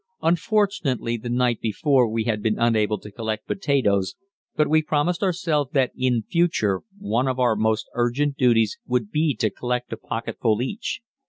Unfortunately, the night before we had been unable to collect potatoes, but we promised ourselves that in future one of our most urgent duties would be to collect a pocketful each.